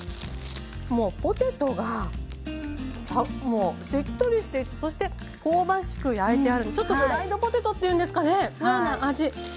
もうポテトがあっもうしっとりしていてそして香ばしく焼いてあるのでちょっとフライドポテトっていうんですかねのような味。